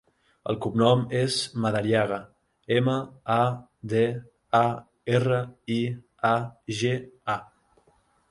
El cognom és Madariaga: ema, a, de, a, erra, i, a, ge, a.